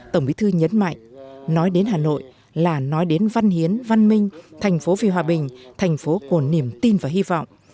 tổng bí thư nhấn mạnh nói đến hà nội là nói đến văn hiến văn minh thành phố vì hòa bình thành phố của niềm tin và hy vọng